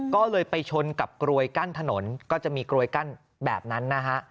ก็เลยไปชนกับกรวยกั้นถนนก็จะมีกลวยกั้นแบบนั้นนะฮะ